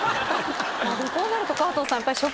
こうなると川藤さん。